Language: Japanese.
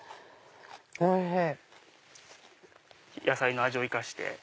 野菜の味を生かして。